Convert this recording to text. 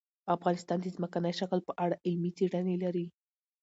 افغانستان د ځمکنی شکل په اړه علمي څېړنې لري.